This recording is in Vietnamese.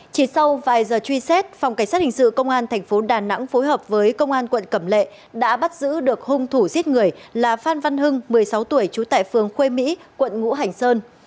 chỉ sau vài giờ truy xét phòng cảnh sát hình sự công an thành phố đà nẵng phối hợp với công an quận cẩm lệ đã bắt giữ được hung thủ giết người là phan văn hưng một mươi sáu tuổi trú tại phường khuê mỹ quận ngũ hành sơn